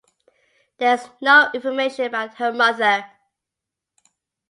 There is no information about her mother.